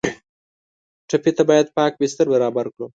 ټپي ته باید پاک بستر برابر کړو.